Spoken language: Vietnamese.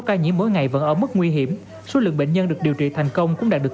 ca nhiễm mỗi ngày vẫn ở mức nguy hiểm số lượng bệnh nhân được điều trị thành công cũng đạt được